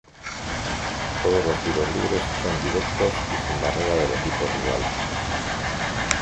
Todos los tiros libres son directos y sin barrera del equipo rival.